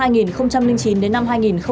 nên năm hai nghìn hai mươi một